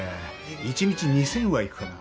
１日２０００はいくかな。